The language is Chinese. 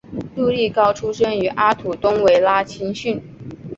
杜利高出身于阿士东维拉青训。